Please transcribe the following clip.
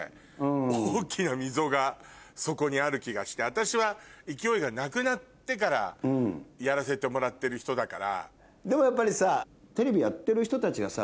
私は勢いがなくなってからやらせてもらってる人だから。